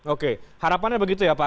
oke harapannya begitu ya pak